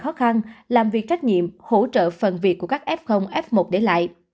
tăng làm việc trách nhiệm hỗ trợ phần việc của các f f một để lại